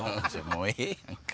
もうええやんか。